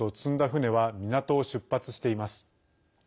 船は港を出発しています。